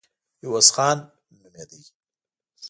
عوض خان نومېده.